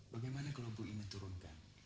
bagaimana kalau ibu ibu turunkan